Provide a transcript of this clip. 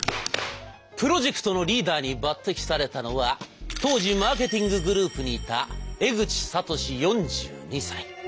プロジェクトのリーダーに抜てきされたのは当時マーケティンググループにいた江口聡４２歳。